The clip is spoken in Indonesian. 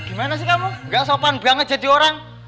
gimana sih kamu gak sopan biar ngejadi orang